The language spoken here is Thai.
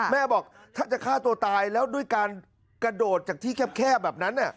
แม่บอกถ้าจะฆ่าตัวตายแล้วด้วยการกระโดดจากที่แคบแบบนั้น